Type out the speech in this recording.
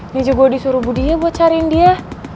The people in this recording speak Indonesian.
ini aja gue disuruh budinya buat cariin dia